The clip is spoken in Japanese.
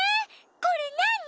これなに？